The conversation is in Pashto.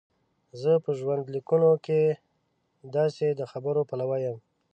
زه په ژوندلیکونو کې د داسې خبرو پلوی یم.